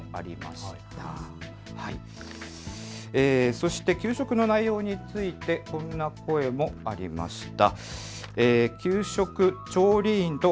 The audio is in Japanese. そして給食の内容についてこんな声もありました。